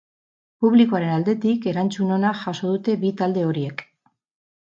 Publikoaren aldetik erantzun ona jaso dute bi talde horiek.